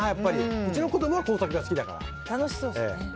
うちの子供は工作が好きだから。